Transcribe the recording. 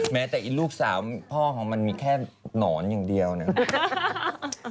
แม้แต่ลูกสาวพ่อของมันมีแค่หนอนอย่างเดียวนะ